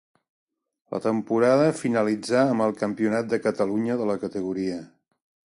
La temporada finalitzà amb el Campionat de Catalunya de la categoria.